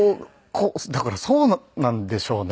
だからそうなんでしょうね。